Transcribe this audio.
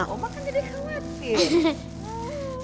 oma kan jadi khawatir